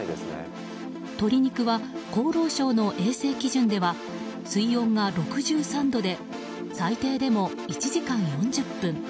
鶏肉は厚労省の衛生基準では水温が６３度で最低でも１時間４０分。